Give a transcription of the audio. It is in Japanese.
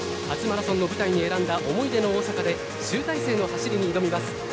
初マラソンの舞台に選んだ思い出の大阪で集大成の走りに挑みます。